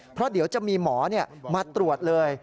เพราะเดี๋ยวจะมีหมอมาตรวจเลย